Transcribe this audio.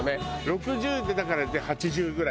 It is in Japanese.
６０でだから８０ぐらいでね。